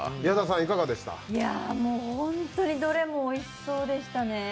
ホントにどれもおいしそうでしたね。